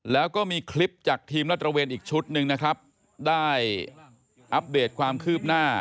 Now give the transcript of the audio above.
แล้วก็มีคลิปจากทีมรัฐระเวนอีกชุดหนึ่งนะครับได้อัปเดตความคืบหน้า